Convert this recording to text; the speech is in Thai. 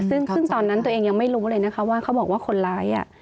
ซึ่งตอนนั้นตัวเองยังไม่รู้เลยนะคะว่าเขาบอกว่าคนร้าย